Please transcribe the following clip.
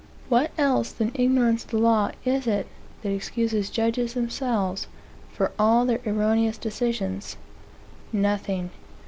What else than ignorance of the law is it that excuses judges themselves for all their erroneous decisions? Nothing.